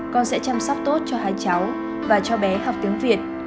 con sẽ chăm sóc tốt cho hai cháu và cho bé học tiếng việt